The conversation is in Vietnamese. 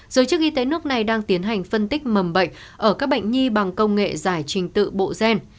giới chức y tế nước này đang tiến hành phân tích mầm bệnh ở các bệnh nhi bằng công nghệ giải trình tự bộ gen